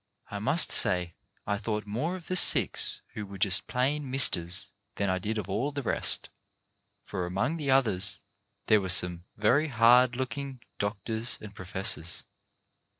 I must say I thought more of the six who were just plain misters than I did of all the rest, for among the others there were some very hard looking doctors and professors.